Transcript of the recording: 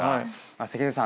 関根さん